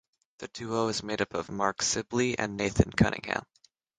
The duo is made up of Marc Sibley and Nathan Cunningham.